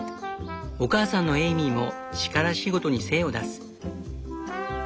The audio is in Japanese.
お母さんのエイミーも力仕事に精を出す。